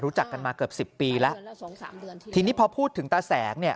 รู้จักกันมาเกือบสิบปีแล้วทีนี้พอพูดถึงตาแสงเนี่ย